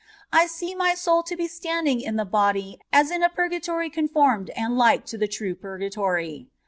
I see my soni to he standing in the body as in a purgatory conformed and like to the true pur gatory.